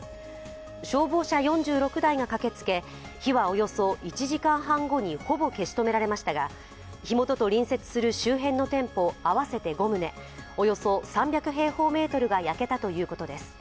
消防車４６台が駆けつけ火はおよそ１時間半後にほぼ消し止められましたが火元と隣接する周辺の店舗合わせて５棟、およそ３００平方メートルが焼けたということです。